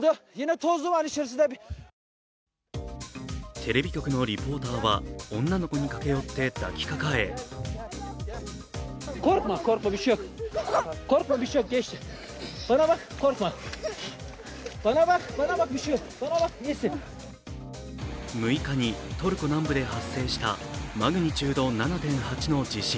テレビ局のリポーターは女の子に駆け寄って抱きかかえ６日にトルコ南部で発生したマグニチュード７．８の地震。